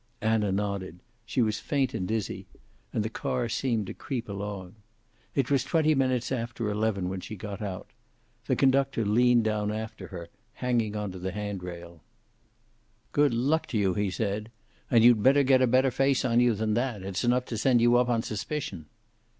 Anna nodded. She was faint and dizzy, and the car seemed to creep along. It was twenty minutes after eleven when she got out. The conductor leaned down after her, hanging to the handrail. "Good luck to you!" he said. "And you'd better get a better face on you than that. It's enough to send you up, on suspicion!"